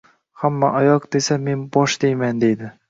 Hamma oyoq desa men bosh deyman dedi.